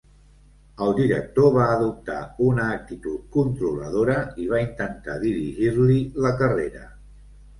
El director va adoptar una actitud controladora i va intentar dirigir-li la carrera.